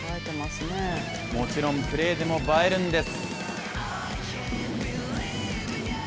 もちろんプレーでも映えるんです。